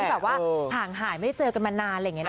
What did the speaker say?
แบบว่าห่างหายไม่ได้เจอกันมานานอะไรอย่างนี้นะ